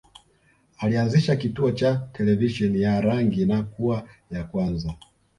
Alianzisha kituo cha televisheni ya rangi na kuwa ya kwanza